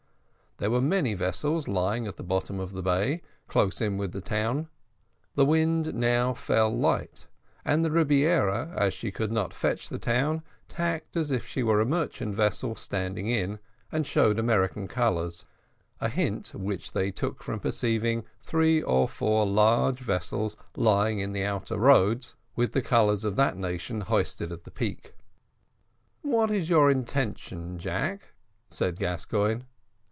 There were many vessels lying at the bottom of the bay, close in with the town; the wind now fell light, and the Rebiera, as she could not fetch the town, tacked as if she were a merchant vessel standing in, and showed American colours, a hint which they took from perceiving three or four large vessels lying in the outer roads, with the colours of that nation hoisted at the peak. "What is your intention, Jack?" said Gascoigne.